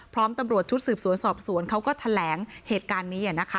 ตำรวจชุดสืบสวนสอบสวนเขาก็แถลงเหตุการณ์นี้นะคะ